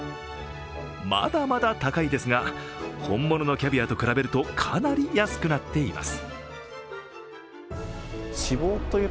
まだまだ高いですが、本物のキャビアと比べると、かなり安くなっています。